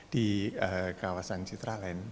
di kawasan citralen